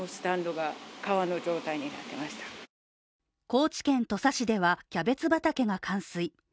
高知県土佐市では、キャベツ畑が冠水。